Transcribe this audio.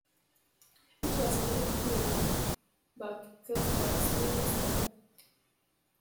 It was a red herring bug caused by spurious data.